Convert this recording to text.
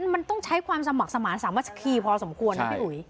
มันต้องใช้ความสมัครสมาธิสามัคคีพอสมควรนะพี่อุ๋ย